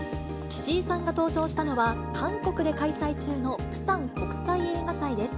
岸井さんが登場したのは、韓国で開催中の釜山国際映画祭です。